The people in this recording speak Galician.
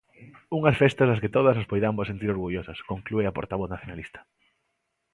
Unhas festas das que todas nos poidamos sentir orgullosas, conclúe a portavoz nacionalista.